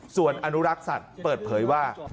ส่วนอนุรักษ์สัตว์เปิดเผยว่า